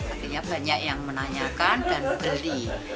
akhirnya banyak yang menanyakan dan membeli